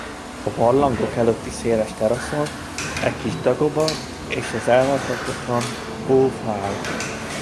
A barlangok előtti széles teraszon egy kis dagoba és az elmaradhatatlan bó-fa áll.